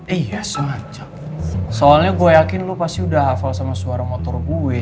iya semacam soalnya gue yakin lo pasti udah hafal sama suara motor gue